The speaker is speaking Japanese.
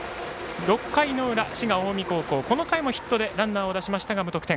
６回の裏、滋賀・近江高校この回もヒットでランナーを出しましたが無得点。